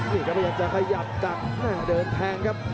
นี่ครับพยายามจะขยับจากเดินแทงครับ